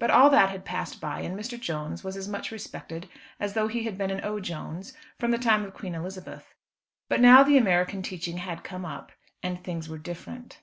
But all that had passed by, and Mr. Jones was as much respected as though he had been an O'Jones from the time of Queen Elizabeth. But now the American teaching had come up, and things were different.